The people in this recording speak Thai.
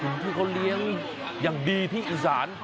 ที่เขาเลี้ยงอย่างดีที่อีสาน